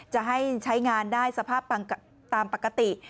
จะให้ใช้งานได้สภาพตามปกติ